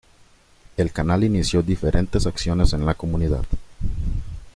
El canal inició diferentes acciones en la comunidad.